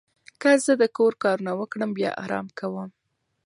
که زه د کور کارونه وکړم، بیا آرام کوم.